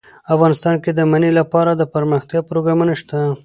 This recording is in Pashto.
افغانستان کې د منی لپاره دپرمختیا پروګرامونه شته.